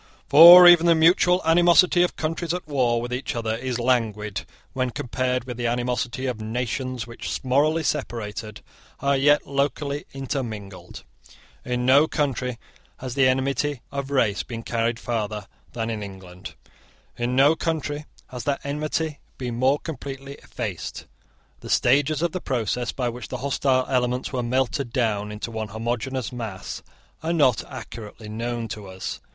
For even the mutual animosity of countries at war with each other is languid when compared with the animosity of nations which, morally separated, are yet locally intermingled. In no country has the enmity of race been carried farther than in England. In no country has that enmity been more completely effaced. The stages of the process by which the hostile elements were melted down into one homogeneous mass are not accurately known to us.